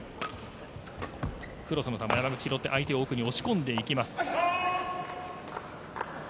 クロスの球山口、拾って相手を奥に押し込んでいきます。